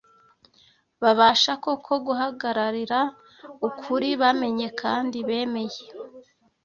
babasha koko guhagararira ukuri bamenye kandi bemeye